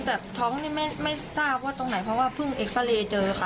แต่ท้องนี่ไม่ทราบว่าตรงไหนเพราะว่าเพิ่งเอ็กซาเรย์เจอค่ะ